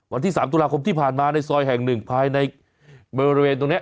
วันที่๓ตุลาคมที่ผ่านมาในซอยแห่งหนึ่งภายในบริเวณตรงนี้